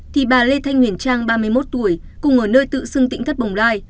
thì bà lê thanh huyền trang ba mươi một tuổi cùng ở nơi tự xưng tỉnh thất bồng lai